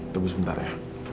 tunggu sebentar ya